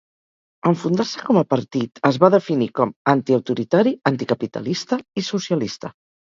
En fundar-se com a partit, es va definir com antiautoritari, anticapitalista i socialista.